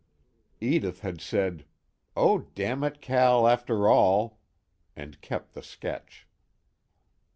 Edith had said: "Oh, damn it, Cal, after all!" and kept the sketch.